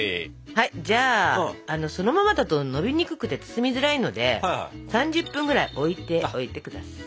じゃあそのままだとのびにくくて包みづらいので３０分ぐらい置いておいて下さい。